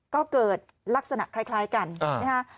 ก็เกิดลักษณะคล้ายกันนะฮะ